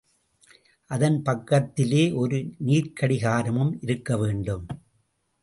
அதன் பக்கத்திலே ஒரு நீர்க்கடிகாரமும் இருக்கவேண்டும்.